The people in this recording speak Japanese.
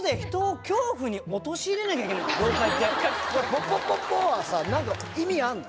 「ポポポポ」はさ何か意味あるの？